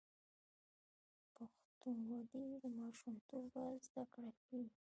پښتونولي له ماشومتوبه زده کیږي.